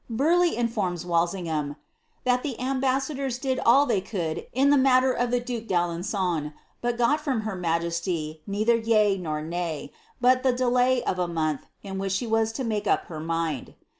Burleigh inform Walsingham, " that the ambassadors did all they could in the matter of the due d'Alen^on, but got from her majesty neither yea nor nay, but the delay of a month, in which she was to make up her mind."